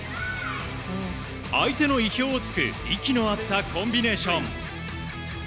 相手の意表を突く息の合ったコンビネーション。